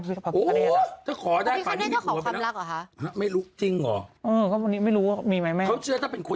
โสดก็มีความสุข